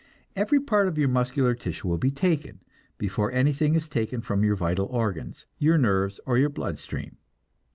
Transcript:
Every part of your muscular tissue will be taken, before anything is taken from your vital organs, your nerves or your blood stream.